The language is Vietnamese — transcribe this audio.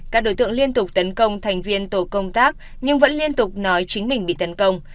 các đối tượng liên tục tấn công thành viên tổ công tác nhưng vẫn liên tục nói chính mình bị tấn công